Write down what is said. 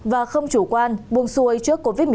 và không chủ quan buồng xuôi trước covid một mươi chín